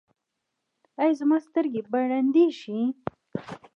ایا زما سترګې به ړندې شي؟